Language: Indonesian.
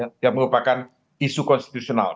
dan itu yang membuatnya kita memiliki kebenaran konstitusional